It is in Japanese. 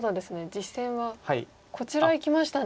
実戦はこちらいきましたね。